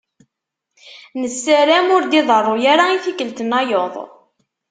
Nessaram ur d-iḍeṛṛu ara i tikkelt-nnayeḍ.